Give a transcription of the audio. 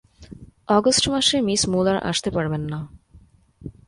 অগষ্ট মাসে Miss Muller আসতে পারবেন না।